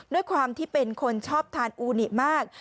ด้วยความที่เป็นคนชอบทานอูนิมาก